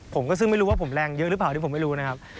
ผมก็ซึ่งไม่รู้ว่าผมแรงเยอะหรือเปล่าที่ผมไม่รู้นะครับ